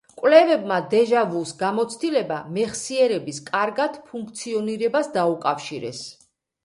კვლევებმა დეჟა ვუს გამოცდილება მეხსიერების კარგად ფუნქციონირებას დაუკავშირეს.